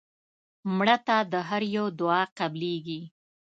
مړه ته د هر یو دعا قبلیږي